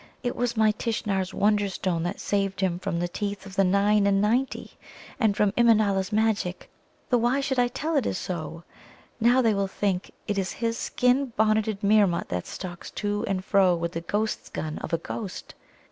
It was my Tishnar's Wonderstone that saved him from the teeth of the Nine and ninety, and from Immanâla's magic, though why should I tell it is so? Now they will think it is his skin bonneted Meermut that stalks to and fro with the ghost gun of a ghost.